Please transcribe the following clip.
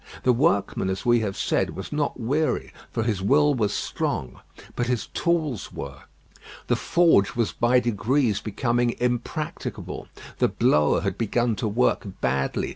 The workman, as we have said, was not weary, for his will was strong; but his tools were. The forge was by degrees becoming impracticable. The blower had begun to work badly.